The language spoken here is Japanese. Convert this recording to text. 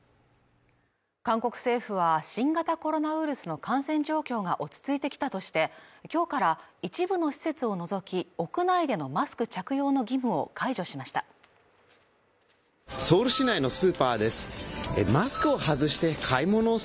韓国政府は新型コロナウイルスの感染状況が落ち着いてきたとしてきょうから一部の施設を除き屋内でのマスク着用の義務を解除しましたソウル市内のスーパーです